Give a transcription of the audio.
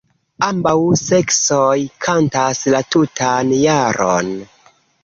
Ambaŭ seksoj kantas la tutan jaron.